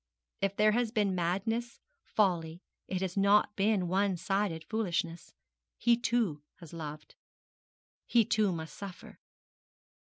If there has been madness, folly, it has not been one sided foolishness. He too has loved; he too must suffer.